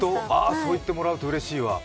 そう言ってもらうとうれしいわ。